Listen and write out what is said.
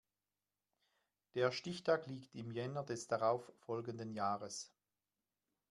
Der Stichtag liegt im Jänner des darauf folgenden Jahres.